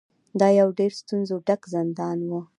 دا یو ډیر ستونزو ډک زندان و.